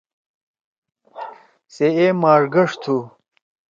سے اے ماش گَݜ تُھو۔